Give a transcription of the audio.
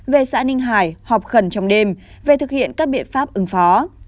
về xã ninh hải họp khẩn trong đêm về thực hiện các biện pháp ứng phó